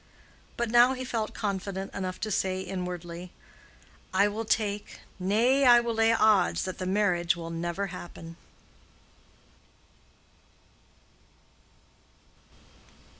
But now he felt confident enough to say inwardly, "I will take, nay, I will lay odds that the marriage will never happen."